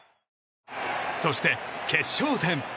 そして決勝戦。